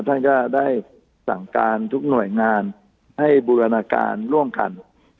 ท่านก็ได้สั่งการทุกหน่วยงานให้บูรณาการร่วมกัน